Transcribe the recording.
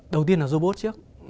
đầu tiên là robot trước